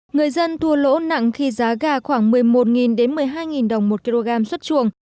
người dân thua lỗ nặng khi giá gà khoảng một mươi một một mươi hai đồng một kg xuất chuồng